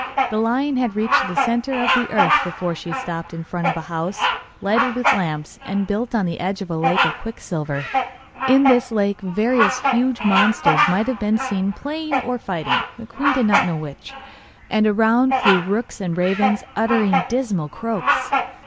The lion had reached the centre of the earth before she stopped in front of a house, lighted with lamps, and built on the edge of a lake of quicksilver. In this lake various huge monsters might be seen playing or fighting the queen did not know which and around flew rooks and ravens, uttering dismal croaks.